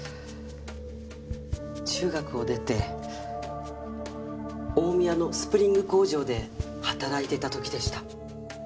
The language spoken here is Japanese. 中学を出て大宮のスプリング工場で働いていた時でした。